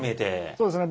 そうですね